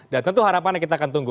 dan tentu harapannya kita akan tunggu